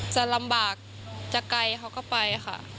จะลำบากจะไกลเขาก็ไปค่ะ